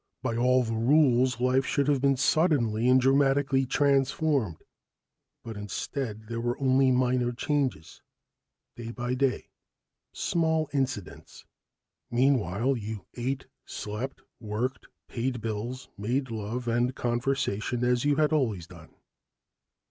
By all the rules, life should have been suddenly and dramatically transformed; but instead, there were only minor changes, day by day, small incidents. Meanwhile you ate, slept, worked, paid bills, made love and conversation, as you had always done.